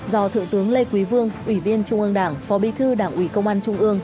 do thượng tướng lê quý vương ủy viên trung ương đảng phó bí thư đảng ủy công an trung ương